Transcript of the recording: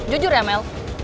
jujur ya mel